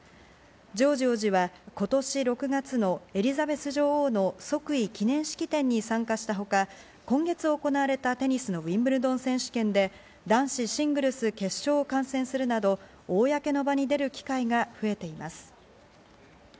ジョージ王子は今年６月のエリザベス女王の即位記念式典に参加したほか、今月行われたテニスのウィンブルドン選手権で男子シングルス決勝を観戦するなど、公の場に出る機会が増えています。